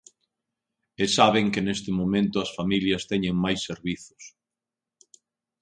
E saben que neste momento as familias teñen máis servizos.